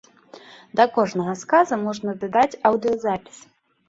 Да кожнага сказа можна дадаць аўдыёзапіс.